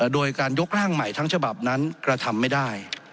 โดยการยกร่างใหม่ทั้งฉบับนั้นกระทำไม่ได้